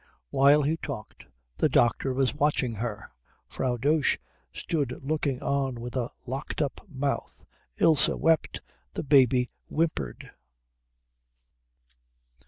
While he talked the doctor was watching her. Frau Dosch stood looking on with a locked up mouth. Ilse wept. The baby whimpered.